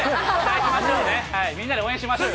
みんなで応援しましょうよ。